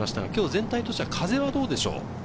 全体として風はどうでしょう？